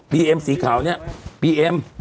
เอ็มสีขาวเนี่ยบีเอ็ม